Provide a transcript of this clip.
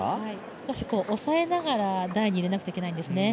少し抑えながら台に入れないといけないんですね。